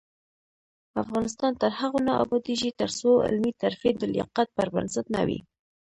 افغانستان تر هغو نه ابادیږي، ترڅو علمي ترفیع د لیاقت پر بنسټ نه وي.